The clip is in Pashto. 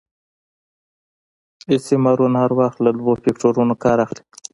استعمارونه هر وخت له دوه فکټورنو کار اخلي.